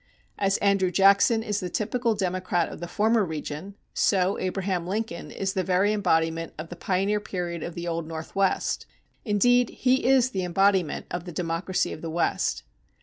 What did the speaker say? As Andrew Jackson is the typical democrat of the former region, so Abraham Lincoln is the very embodiment of the pioneer period of the Old Northwest. Indeed, he is the embodiment of the democracy of the West.